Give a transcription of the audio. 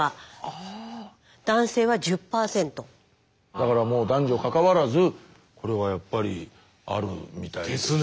だからもう男女かかわらずこれはやっぱりあるみたい。ですね！